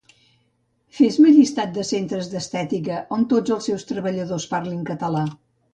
Fes-me llistat dels centres d'estètica on tots els seus treballadors parlin català